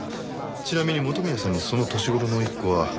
ちなみに元宮さんにその年頃の甥っ子はいません。